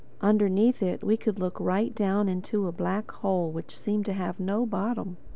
Underneath it we could look right down into a black hole which seemed to have no bottom.